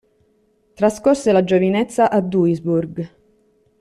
Trascorse la giovinezza a Duisburg.